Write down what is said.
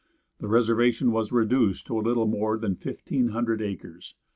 The reservation was reduced to a little more than fifteen hundred acres.